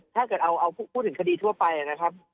ถ้าเกิดเอาพูดถึงคดีทั่วไปนะครับ